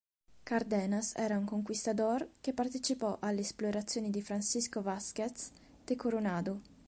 Cardenas era un conquistador che partecipò alle esplorazioni di Francisco Vázquez de Coronado.